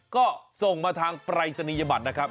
ก็ส่งมาทางปรายศนียบัตรนะครับ